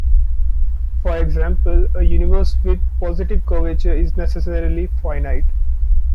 For example, a universe with positive curvature is necessarily finite.